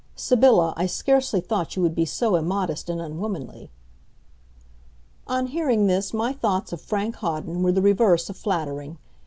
Sybylla, I scarcely thought you would be so immodest and unwomanly." On hearing this my thoughts of Frank Hawden were the reverse of flattering.